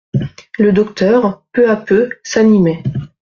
Le docteur, peu à peu, s'animait.